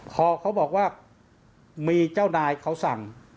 พอเขาบอกว่ามีเจ้านายเขาสั่ง